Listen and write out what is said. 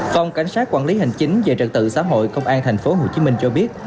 phòng cảnh sát quản lý hành chính về trận tự xã hội công an thành phố hồ chí minh cho biết